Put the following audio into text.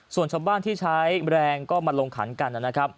ส่วนชาวบ้านที่ใช้แรงก็มาลงขันกันนะครับ